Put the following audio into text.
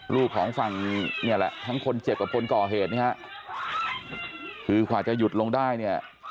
ลูกของฝั่งเนี่ยแหละทั้งคนเจ็บกับคนก่อเหตุเนี่ยฮะคือกว่าจะหยุดลงได้เนี่ย